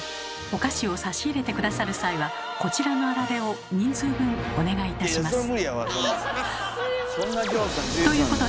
お菓子を差し入れて下さる際はこちらのあられを人数分お願いいたします。